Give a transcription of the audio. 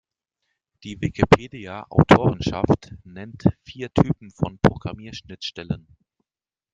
Die Wikipedia-Autorenschaft nennt vier Typen von Programmierschnittstellen.